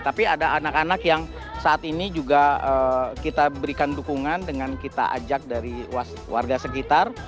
tapi ada anak anak yang saat ini juga kita berikan dukungan dengan kita ajak dari warga sekitar